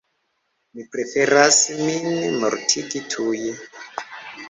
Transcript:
Mi preferas min mortigi tuje.